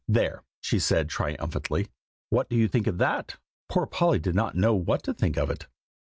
There!" she said, triumphantly, "what do you think of that?" Poor Polly did not know what to think of it.